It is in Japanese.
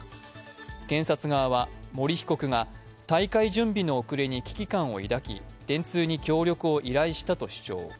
検察側は森被告が大会準備の遅れに危機感を抱き、電通に協力を依頼したと主張。